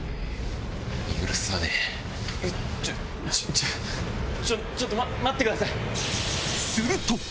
ちょちょっとちょっと待ってください。